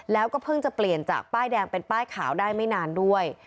แล้วก็เพิ่งจะเปลี่ยนจากป้ายแดงเป็นป้ายขาวได้ไม่นานด้วย